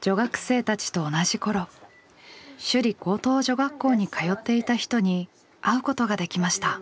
女学生たちと同じ頃首里高等女学校に通っていた人に会うことができました。